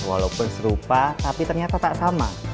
walaupun serupa tapi ternyata tak sama